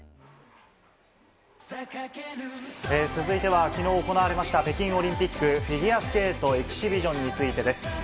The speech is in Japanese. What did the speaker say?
続いては昨日行われました北京オリンピックフィギュアスケートエキシビションについてです。